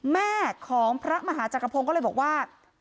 แม่ของพระมหาจักรพงศ์ก็เลยบอกว่า